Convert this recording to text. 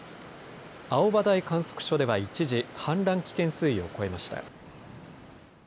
青葉台観測所では一時、氾濫危険水位を超えました。